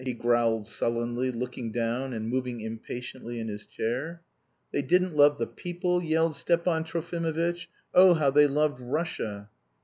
he growled sullenly, looking down, and moving impatiently in his chair. "They didn't love the people!" yelled Stepan Trofimovitch. "Oh, how they loved Russia!"